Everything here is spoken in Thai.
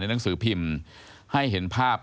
หนังสือพิมพ์ให้เห็นภาพ